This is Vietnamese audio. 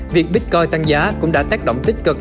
việc bitcoin tăng giá cũng đã tác động tích cực